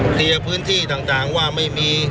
ทีละพื้นที่ต่างว่าไม่มี